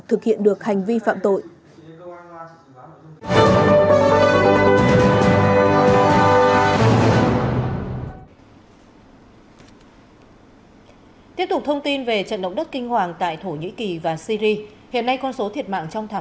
thực hiện được hành vi phạm tội